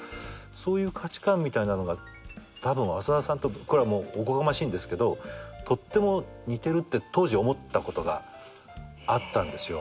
そういう価値観みたいなのがたぶん浅田さんとこれおこがましいんですけどとっても似てるって当時思ったことがあったんですよ。